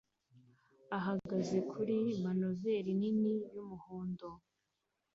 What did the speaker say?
ahagaze kuri manoveri nini y'umuhondo